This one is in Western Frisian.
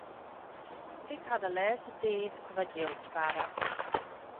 Ik haw de lêste tiid wat jild sparre.